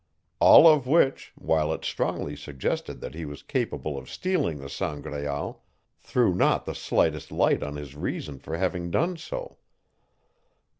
All of which, while it strongly suggested that he was capable of stealing the Sangraal, threw not the slightest light on his reason for having done so.